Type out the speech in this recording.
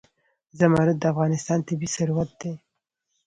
زمرد د افغانستان طبعي ثروت دی.